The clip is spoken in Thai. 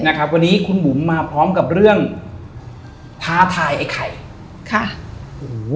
นะครับวันนี้คุณบุ๋มมาพร้อมกับเรื่องท้าทายไอ้ไข่ค่ะโอ้โห